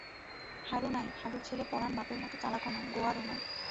হারু নাই, হারুর ছেলে পরাণ বাপের মতো চালাকও নয়, গোয়ারও নয়।